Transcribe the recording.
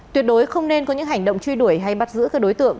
tuyệt đối không nên có những hành động truy đuổi hay bắt giữ các đối tượng